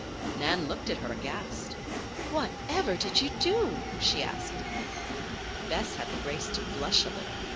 Nan looked at her aghast. "Whatever did you do?" she asked. Bess had the grace to blush a little.